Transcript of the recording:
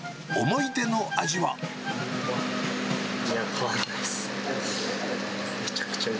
変わらないです。